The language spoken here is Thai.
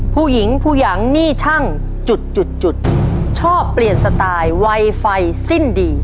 ผู้หญิงผู้ยังหนี้ช่างจุดจุดชอบเปลี่ยนสไตล์ไวไฟสิ้นดี